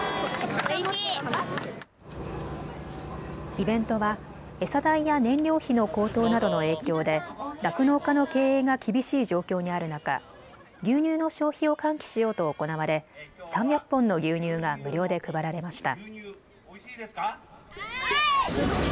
イベントは餌代や燃料費の高騰などの影響で酪農家の経営が厳しい状況にある中、牛乳の消費を喚起しようと行われ３００本の牛乳が無料で配られました。